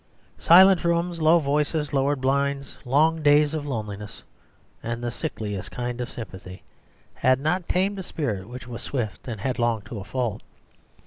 Silent rooms, low voices, lowered blinds, long days of loneliness, and of the sickliest kind of sympathy, had not tamed a spirit which was swift and headlong to a fault.